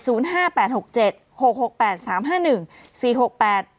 ห้าแปดหกเจ็ดหกหกแปดสามห้าหนึ่งสี่หกแปด